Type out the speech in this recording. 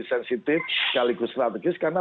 sensitif sekaligus strategis karena